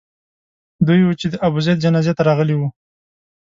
دوی وو چې د ابوزید جنازې ته راغلي وو.